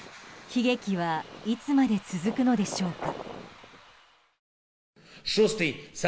悲劇はいつまで続くのでしょうか。